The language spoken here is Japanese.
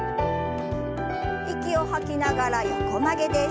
息を吐きながら横曲げです。